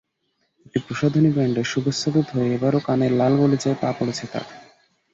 একটি প্রসাধনী ব্র্যান্ডের শুভেচ্ছাদূত হয়ে এবারও কানের লালগালিচায় পা পড়েছে তাঁর।